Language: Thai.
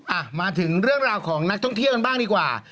อ่ะมาถึงเรื่องราวของนักท่องเที่ยวกันบ้างดีกว่า